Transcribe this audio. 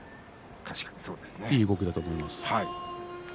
いい動きだと思います。